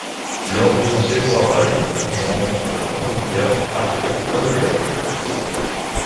Lors de son séjour à Paris, il rencontre le compositeur Arthur Honegger.